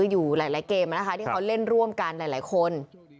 อยู่หลายเกมที่เขาเล่นร่วมกันหลายคน